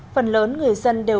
phần lớn người dân đều